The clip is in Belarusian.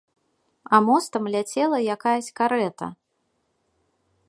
А мостам ляцела якаясь карэта.